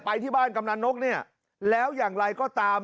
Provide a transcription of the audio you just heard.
ไปที่บ้านกำนันนกเนี่ยแล้วอย่างไรก็ตาม